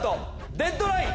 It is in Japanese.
デッドライン！